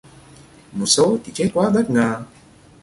Một số thì chết quá bất ngờ